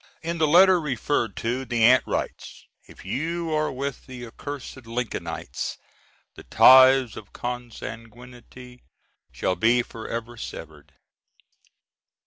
In the letter referred to, the aunt writes, "If you are with the accursed Lincolnites, the ties of consanguinity shall be forever severed."